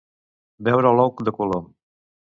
Veure l'Ou de Colom.